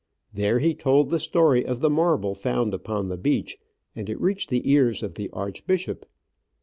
There he told the story of the marble found upon the beach, and it reached the ears of the arch bishop.